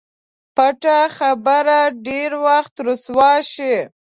پټه خبره ډېر وخت رسوا شي.